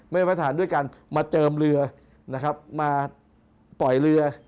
ไม่ว่าจะประทานด้วยการมาเจิมเรือมาปล่อยเรือ